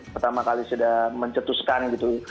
pertama kali sudah mencetuskan gitu